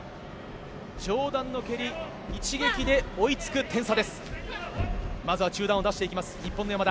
上段の蹴り一撃で追いつく点差です。